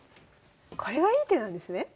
これがいい手なんですね？